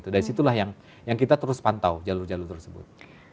dari situlah yang kita terus pantau jalur jalur tersebut